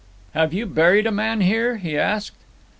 'Have you buried a man here?' he asked.